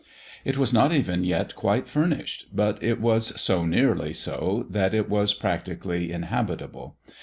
It was not even yet quite furnished, but it was so nearly so that it was practically inhabitable.